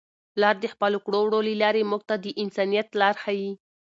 پلار د خپلو کړو وړو له لارې موږ ته د انسانیت لار ښيي.